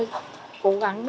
sau đó là